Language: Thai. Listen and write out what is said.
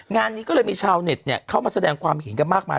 งานนี้ก็เลยมีชาวเน็ตเข้ามาแสดงความเห็นกันมากมาย